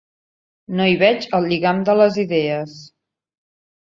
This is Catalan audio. No hi veig el lligam de les idees.